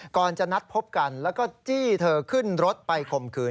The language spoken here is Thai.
ก่อนจะนัดพบกันแล้วก็จี้เธอขึ้นรถไปข่มขืน